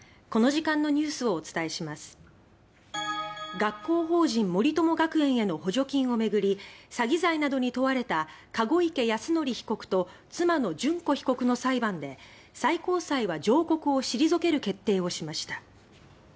学校法人・森友学園への補助金を巡り詐欺罪などに問われた籠池泰典被告と妻の諄子被告の裁判で最高裁は上告を退ける決定をしました。